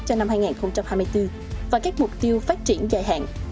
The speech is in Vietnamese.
cho năm hai nghìn hai mươi bốn và các mục tiêu phát triển dài hạn